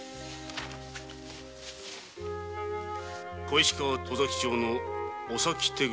小石川戸崎町の御先手